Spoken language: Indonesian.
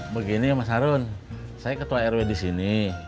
begini mas harun saya ketua rw di sini